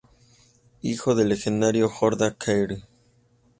Hijo del legendario Horda-Kåre.